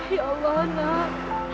ya allah anak